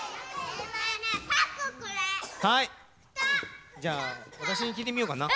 はいじゃあわたしにきいてみようかな。